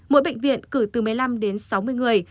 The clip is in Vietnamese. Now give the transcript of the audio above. mỗi bệnh viện cử từ một mươi năm đến sáu mươi người